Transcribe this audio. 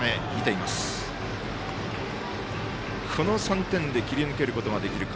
この３点で切り抜けることができるか。